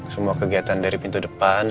semua kegiatan dari pintu depan